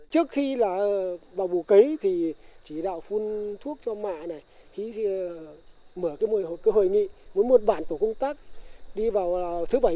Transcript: trước khi vào vụ cấy thì chỉ đạo phun thuốc cho mạ mở hội nghị mỗi một bản tổ công tác đi vào thứ bảy